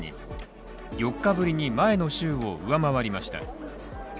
４日ぶりに前の週を上回りました。